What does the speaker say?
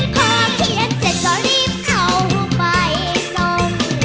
พอเขียนเสร็จก็รีบเอาหัวใบน้ำ